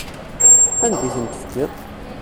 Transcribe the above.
Anda i tent-tefkiḍ?